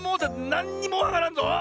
なんにもわからんぞ！